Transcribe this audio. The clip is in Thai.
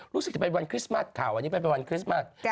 รู้สึกจะเป็นวันคริสต์มาร์ทค่ะวันนี้เป็นวันคริสต์มาร์ท